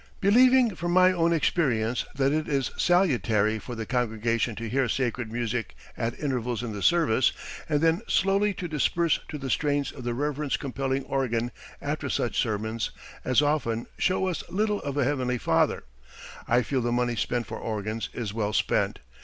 Believing from my own experience that it is salutary for the congregation to hear sacred music at intervals in the service and then slowly to disperse to the strains of the reverence compelling organ after such sermons as often show us little of a Heavenly Father, I feel the money spent for organs is well spent.